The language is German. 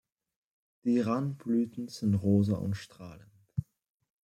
Die Randblüten sind rosa und strahlend.